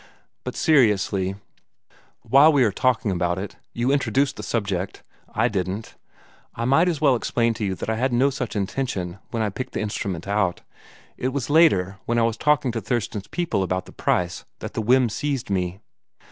But seriously while we are talking about it you introduced the subject: I didn't I might as well explain to you that I had no such intention, when I picked the instrument out. It was later, when I was talking to Thurston's people about the price, that the whim seized me.